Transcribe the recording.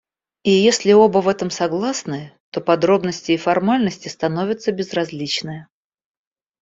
И если оба в этом согласны, то подробности и формальности становятся безразличны.